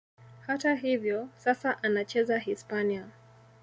Hata hivyo, sasa anacheza Hispania.